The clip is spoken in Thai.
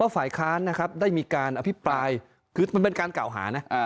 ว่าฝ่ายค้านได้มีการอภิปรายคือมันเป็นการเก่าหานะ